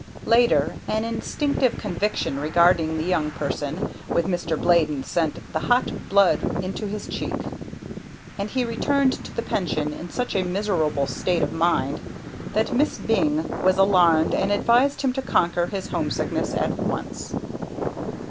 Later, an instinctive conviction regarding the young person with Mr. Bladen sent the hot blood into his cheek, and he returned to the pension in such a miserable state of mind that Miss Byng was alarmed and advised him to conquer his homesickness at once.